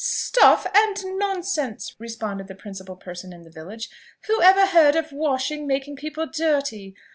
"Stuff and nonsense!" responded the principal person in the village, "whoever heard of washing making people dirty?